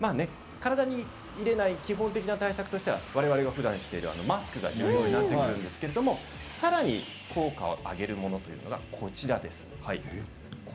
体に入れない基本的な対策としては我々がふだんしているマスクが重要になってくるんですがさらに効果を上げるものというのがこちらです。